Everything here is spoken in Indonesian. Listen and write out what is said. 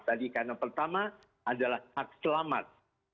tadi karena pertama adalah hak selamat